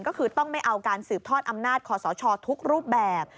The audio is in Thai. ก็คือต้องไม่เอาการสืบทอดอำนาจคอสชทุกรูปแบบ